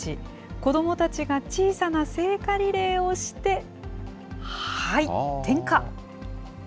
子どもたちが小さな聖火リレーをして、はい、点火！